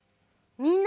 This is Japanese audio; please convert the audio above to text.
みんな。